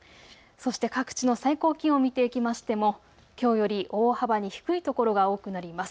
そして各地の最高気温、見ていきましても、きょうより大幅に低いところが多くなります。